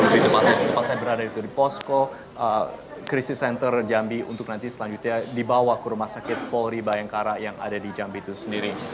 di tempat saya berada itu di posko krisis center jambi untuk nanti selanjutnya dibawa ke rumah sakit polri bayangkara yang ada di jambi itu sendiri